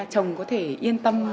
chồng có thể yên tâm